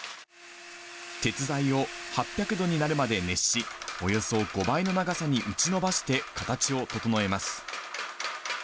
鉄材を８００度になるまで熱し、およそ５倍の長さに打ち延ばして形を整えます。